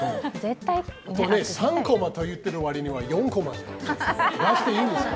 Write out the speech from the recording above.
３コマといってる割には４コマですが、いいんですか？